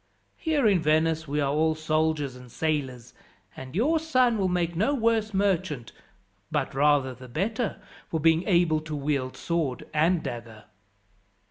Here in Venice we are all soldiers and sailors, and your son will make no worse merchant, but rather the better, for being able to wield sword and dagger.